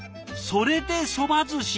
それでそばずし。